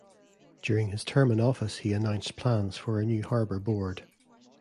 During his term in office he announced plans for a new Harbor board.